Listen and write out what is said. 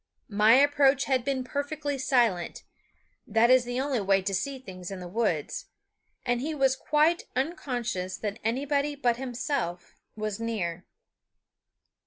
My approach had been perfectly silent, that is the only way to see things in the woods, and he was quite unconscious that anybody but himself was near.